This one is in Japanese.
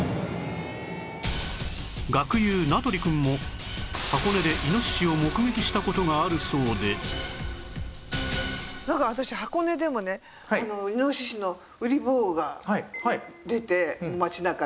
学友名取くんも箱根でイノシシを目撃した事があるそうでなんか私箱根でもねイノシシのうり坊が出て町中で。